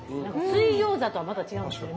水餃子とはまた違うんですね。